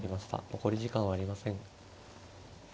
残り時間はありません。